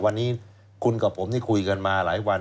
วันนี้คุณกับผมนี่คุยกันมาหลายวัน